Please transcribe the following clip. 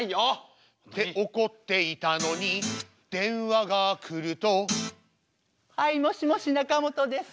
って怒っていたのに電話がくるとはいもしもしなかもとです。